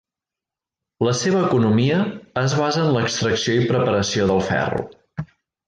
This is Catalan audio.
La seva economia es basa en l'extracció i preparació del ferro.